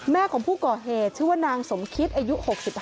ของผู้ก่อเหตุชื่อว่านางสมคิดอายุ๖๕